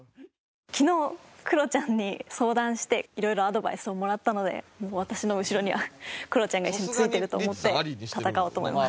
昨日クロちゃんに相談していろいろアドバイスをもらったのでもう私の後ろにはクロちゃんが一緒についてると思って戦おうと思います。